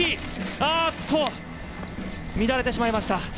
あっと乱れてしまいました。